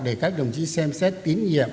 để các đồng chí xem xét tín nhiệm